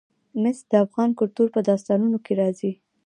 مس د افغان کلتور په داستانونو کې راځي.